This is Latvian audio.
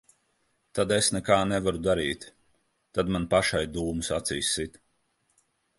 Tad es nekā nevaru darīt. Tad man pašai dūmus acīs sit.